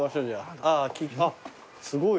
あっすごい。